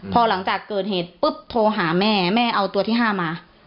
พอหลังจากเกิดเหตุปุ๊บโทรหาแม่แม่เอาตัวที่๕มา